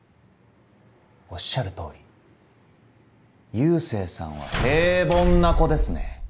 おっしゃる通り佑星さんは平凡な子ですね。